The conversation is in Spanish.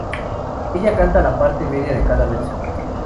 Ella canta la parte media de cada verso.